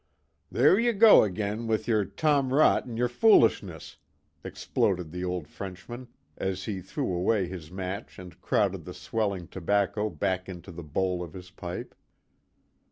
"There ye go again with ye're tomrot an' ye're foolishness!" exploded the old Frenchman, as he threw away his match and crowded the swelling tobacco back into the bowl of his pipe.